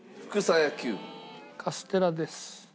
カステラです。